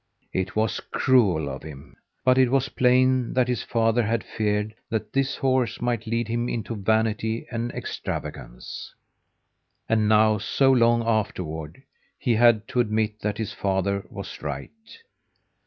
It was cruel of him. But it was plain that his father had feared that this horse might lead him into vanity and extravagance. And now, so long afterward, he had to admit that his father was right.